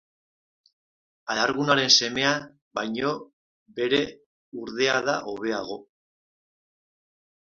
Alargunaren semea baino bere urdea da hobeago.